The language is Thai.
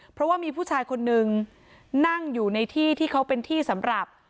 เพราะว่ามีผู้ชายคนนึงนั่งอยู่ในที่ที่เขาเป็นที่สำหรับ